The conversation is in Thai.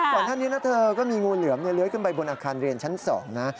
ท่านนี้นะเธอก็มีงูเหลือมเลื้อยขึ้นไปบนอาคารเรียนชั้น๒นะ